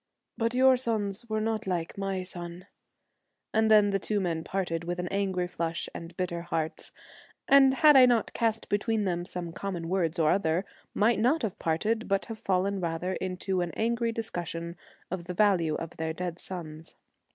' But your sons were not like my son.' And then the two men parted, with an angry flush and bitter hearts, and had I not cast between them some common words or other, might not have parted, but have fallen rather into an angry discussion of the value of their dead sons.